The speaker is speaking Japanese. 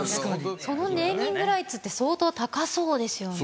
そのネーミングライツって相当高そうですよね。